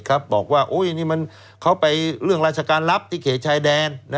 ก็ปฏิเสธแม่งว่าเค้าเป็นเรื่องราชการลับที่เขตชายแดน